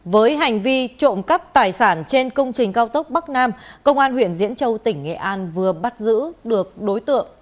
với hành vi trộm cắp tài sản trên công trình cao tốc bắc nam công an huyện diễn châu tỉnh nghệ an vừa bắt giữ được đối tượng